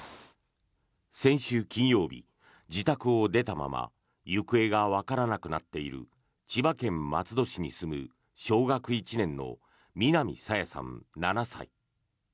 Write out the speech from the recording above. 先週金曜日、自宅を出たまま行方がわからなくなっている千葉県松戸市に住む小学１年の南朝芽さん、７歳。